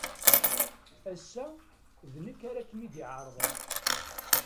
Ass-a, d nekk ara kem-id-iɛerḍen.